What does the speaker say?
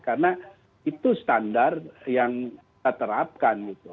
karena itu standar yang kita terapkan gitu